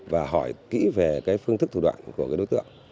và hỏi kỹ về phương thức thủ đoạn của đối tượng